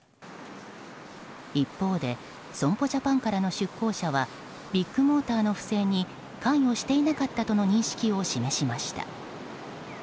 一方で損保ジャパンからの出向者はビッグモーターの不正に関与していなかったとの認識を示しました。